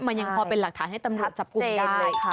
มันยังพอเป็นหลักฐานให้ตำรวจจับกลุ่มได้